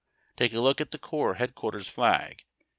Take a look at the corps headquarters flag.